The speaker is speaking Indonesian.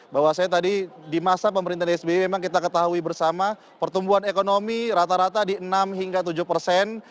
bahwasannya tadi di masa pemerintahan sby memang kita ketahui bersama pertumbuhan ekonomi rata rata di enam hingga tujuh persen